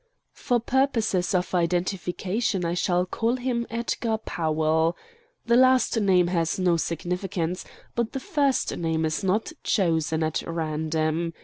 For purposes of identification I shall call him Edgar Powell. The last name has no significance; but the first name is not chosen at random.